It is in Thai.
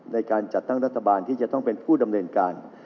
ในการจัดตั้งรัฐบาลที่จะต้องเป็นผู้ดำเนินการ